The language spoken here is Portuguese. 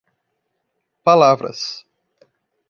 Palavras